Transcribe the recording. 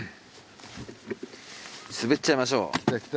滑っちゃいましょう。来た来た。